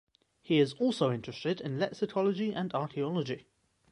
He is also interested in lexicology and archeology.